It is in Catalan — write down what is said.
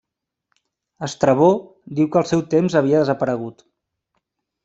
Estrabó diu que al seu temps havia desaparegut.